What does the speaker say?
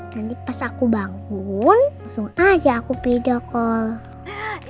nanti pas aku bangun langsung aja aku pedo call